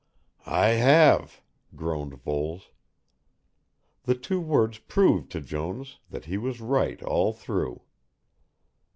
"I have," groaned Voles. The two words proved to Jones that he was right all through.